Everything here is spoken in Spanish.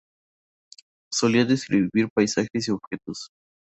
Solía describir paisajes y objetos.